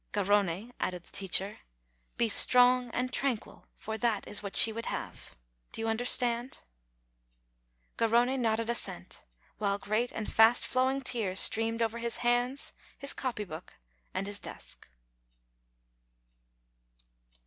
1 : "Garrone," added the teacher, "be strong and Iran CIVIC VALOR 239 quit, for that is what she would have. Do you under stand ?" Garrone nodded assent, while great and fast flow ing tears streamed over his hands, his copy book, and his desk.